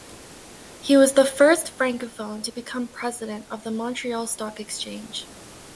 He was the first Francophone to become president of the Montreal stock exchange.